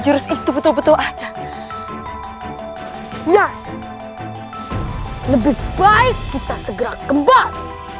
ketika kita segera kembali